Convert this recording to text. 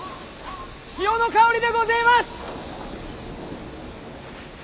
潮の香りでごぜえます。